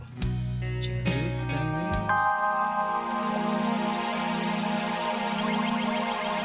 sampai jumpa lagi